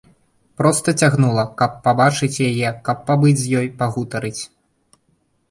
Проста цягнула, каб пабачыць яе, каб пабыць з ёй, пагутарыць.